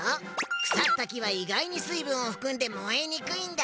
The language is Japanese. くさったきはいがいにすいぶんをふくんでもえにくいんだ。